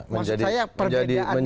maksud saya perbedaannya